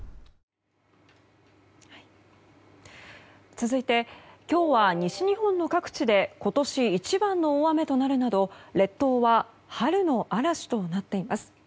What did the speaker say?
続いて今日は西日本の各地で今年一番の大雨となるなど列島は春の嵐となっています。